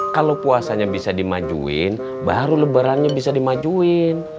kalau puasanya bisa dimajuin baru lebarannya bisa dimajuin